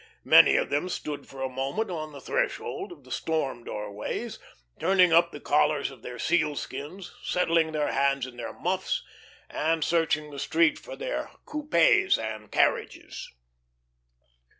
Many of them stood for a moment on the threshold of the storm doorways, turning up the collars of their sealskins, settling their hands in their muffs, and searching the street for their coupes and carriages.